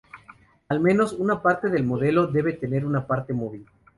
Al menos, una parte del modelo debe tener una parte móvil.